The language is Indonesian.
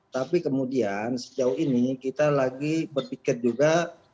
tapi kemudian sejauh ini kita lagi berpikir juga